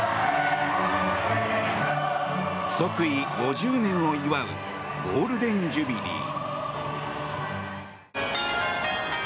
即位５０年を祝うゴールデン・ジュビリー。